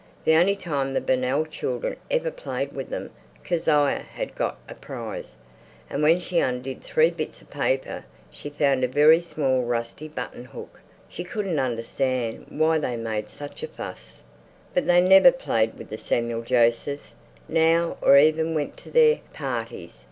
The only time the Burnell children ever played with them Kezia had got a prize, and when she undid three bits of paper she found a very small rusty button hook. She couldn't understand why they made such a fuss.... But they never played with the Samuel Josephs now or even went to their parties.